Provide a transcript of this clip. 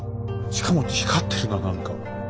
しかも光ってるな何か。